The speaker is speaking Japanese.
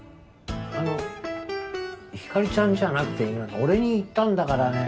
あのひかりちゃんじゃなくて俺に言ったんだからねえ。